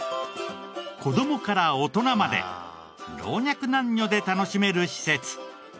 子供から大人まで老若男女で楽しめる施設。